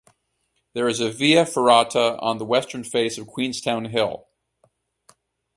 There is a via ferrata on the western face of Queenstown Hill.